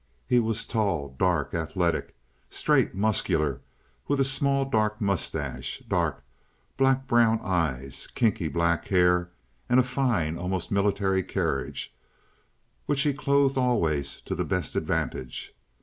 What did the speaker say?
He was tall, dark, athletic, straight, muscular, with a small dark mustache, dark, black brown eyes, kinky black hair, and a fine, almost military carriage—which he clothed always to the best advantage.